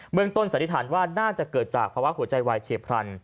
เมืองต้นสันนิษฐานว่าน่าจะเกิดจากภาวะหัวใจวายเฉียบพลัน